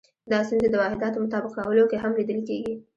دا ستونزې د واحداتو مطابق کولو کې هم لیدل کېدې.